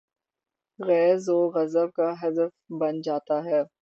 غیظ و غضب کا ہدف بن جا تا ہے۔